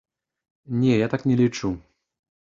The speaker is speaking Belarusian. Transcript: Не, я так не лічу.